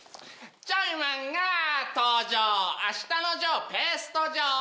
ジョイマンが登場あしたのジョーペースト状！